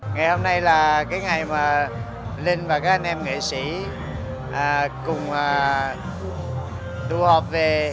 ngày hôm nay là ngày mà linh và các anh em nghệ sĩ cùng đua họp về